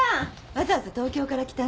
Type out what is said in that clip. わざわざ東京から来たんだって。